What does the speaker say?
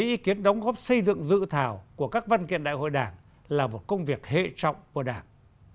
ý kiến đóng góp xây dựng dự thảo của các văn kiện đại hội đảng là một công việc hệ trọng của đảng